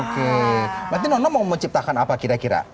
oke berarti nono mau menciptakan apa kira kira